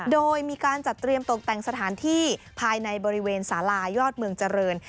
โดยมีการจัดเตรียมตกแต่งสถานที่ภายในบริเวณสาลายอดเมืองเจริญ